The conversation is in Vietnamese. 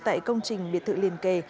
tại công trình biệt thự liền kề